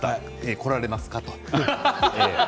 来られますか？と。